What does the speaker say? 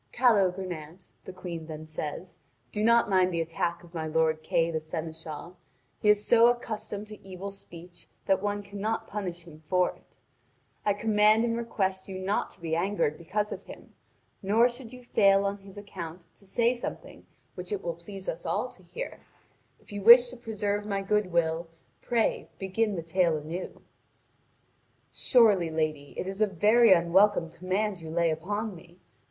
"Calogrenant," the Queen then says, "do not mind the attack of my lord Kay the seneschal. He is so accustomed to evil speech that one cannot punish him for it. I command and request you not to be angered because of him, nor should you fail on his account to say something which it will please us all to hear; if you wish to preserve my good will, pray begin the tale anew." "Surely, lady, it is a very unwelcome command you lay upon me.